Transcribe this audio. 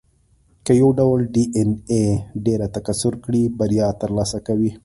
که یو ډول ډېایناې ډېره تکثر کړي، بریا ترلاسه کوي.